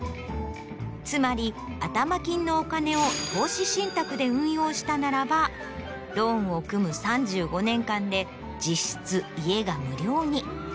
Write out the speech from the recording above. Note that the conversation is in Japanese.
つまり頭金のお金を投資信託で運用したならばローンを組む３５年間で実質家が無料に。